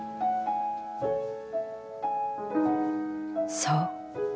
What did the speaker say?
「そう。